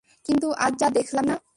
কিন্তু আজ যা দেখলাম না?